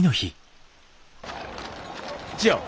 千代。